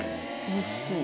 うれしい。